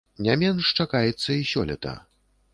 Не менш чакаецца і сёлета.